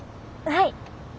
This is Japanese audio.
はい。